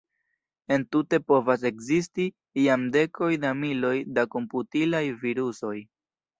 Entute povas ekzisti jam dekoj da miloj da komputilaj virusoj.